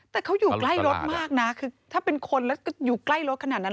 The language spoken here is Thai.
แต่เขาอยู่ใกล้รถมากนะคือถ้าเป็นคนแล้วอยู่ใกล้รถขนาดนั้น